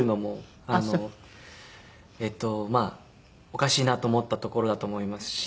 おかしいなと思ったところだと思いますし。